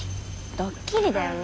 ドッキリだよね。